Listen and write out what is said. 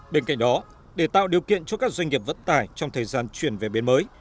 bên cạnh đó để tạo điều kiện cho các doanh nghiệp vận tải trong thời gian chuyển về bến mới